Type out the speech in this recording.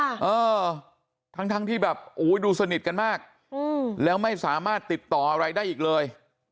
เออทั้งทั้งที่แบบโอ้ยดูสนิทกันมากอืมแล้วไม่สามารถติดต่ออะไรได้อีกเลย